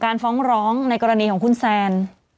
คอยหลังกรณีของคุณแซน